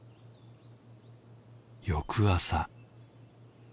翌朝。